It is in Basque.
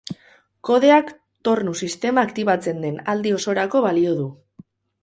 Kodeak tornu-sistema aktibatzen den aldi osorako balio du.